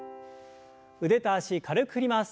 腕と脚軽く振ります。